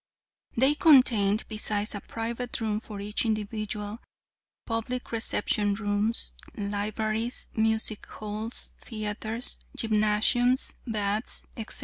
They contained, besides a private room for each individual, public reception rooms, libraries, music halls, theatres, gymnasiums, baths, etc.